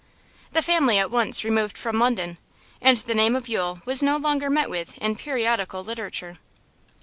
The family at once removed from London, and the name of Yule was no longer met with in periodical literature.